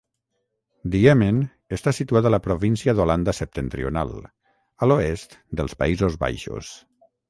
Diemen està situat a la província d'Holanda Septentrional, a l'oest dels Països Baixos.